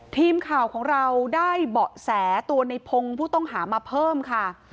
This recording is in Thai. ทีมข่าวของเราได้เบาะแสตัวในพงศ์ผู้ต้องหามาเพิ่มค่ะ